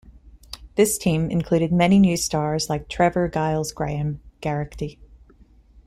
This team included many new stars like Trevor Giles Graham Geraghty.